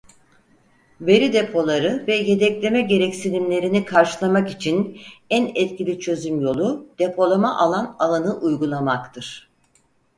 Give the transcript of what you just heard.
Veri depoları ve yedekleme gereksinimlerini karşılamak için en etkili çözüm yolu depolama alan ağını uygulamaktır.